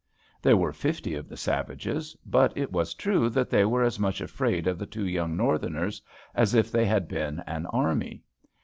There were fifty of the savages, but it was true that they were as much afraid of the two young Northerners as if they had been an army.